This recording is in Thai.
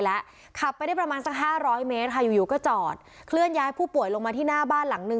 แล้วขับไปได้ประมาณสักห้าร้อยเมตรค่ะอยู่อยู่ก็จอดเคลื่อนย้ายผู้ป่วยลงมาที่หน้าบ้านหลังนึง